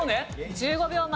１５秒前。